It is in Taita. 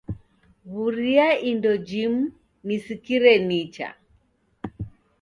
W'uria indo jimu nisikire nicha.